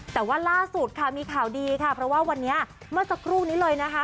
แต่ว่าล่าสุดค่ะมีข่าวดีค่ะเพราะว่าวันนี้เมื่อสักครู่นี้เลยนะคะ